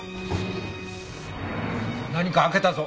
何か開けたぞ。